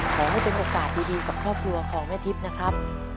ขอให้เป็นโอกาสดีกับครอบครัวของแม่ทิพย์นะครับ